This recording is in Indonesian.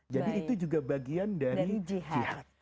jadi itu juga bagian dari jihad